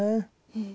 うん。